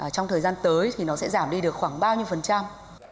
trong thời gian tới thì nó sẽ giảm đi được khoảng bao nhiêu phần trăm